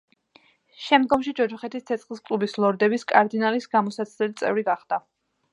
შემდგომში, ჯოჯოხეთის ცეცხლის კლუბის ლორდების კარდინალის გამოსაცდელი წევრი გახდა.